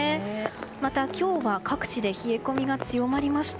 また、今日は各地で冷え込みが強まりました。